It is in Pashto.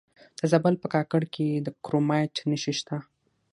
د زابل په کاکړ کې د کرومایټ نښې شته.